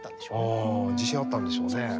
あ自信あったんでしょうね。